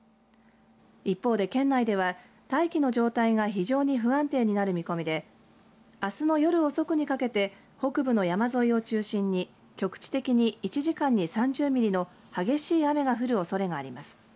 一方で県内では大気の状態が非常に不安定になる見込みであすの夜遅くにかけて北部の山沿いを中心に局地的に１時間に３０ミリの激しい雨が降るおそれがあります。